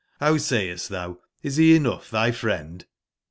Row sayest thou, is he enough thy friend?